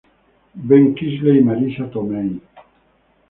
Ben Kingsley y Marisa Tomei.